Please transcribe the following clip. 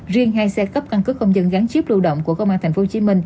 riêng hai xe cấp căn cứ công dân gắn chiếp lưu động của công an tp hcm